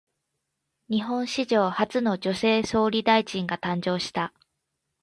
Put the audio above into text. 日本史上初の女性総理大臣が誕生した。